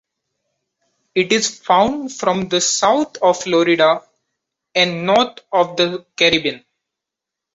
It is found from the south of Florida and north of the Caribbean.